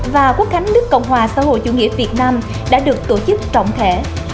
và quốc khánh nước cộng hòa xã hội chủ nghĩa việt nam đã được tổ chức trọng thể